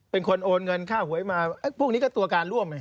เป็นคนโอนเงินค่าหวยมาพวกนี้ก็ตัวการร่วมไง